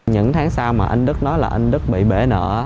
những tháng sau mà anh đức nói là anh đức bị bể nợ